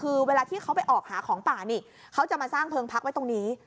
คือเวลาที่เขาไปออกหาของป่านี่เขาจะมาสร้างเพลิงพักไว้ตรงนี้